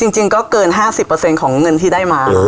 จริงก็เกิน๕๐ของเงินที่ได้มา